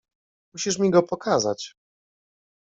— Musisz mi go pokazać.